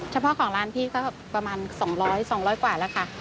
เฉพาะของร้านพี่ก็ประมาณ๒๐๐๒๐๐กว่าแล้วค่ะ